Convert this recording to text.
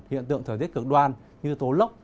hiện tượng thời tiết cực đoan như tố lốc